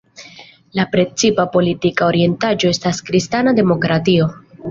La precipa politika orientiĝo estas kristana demokratio.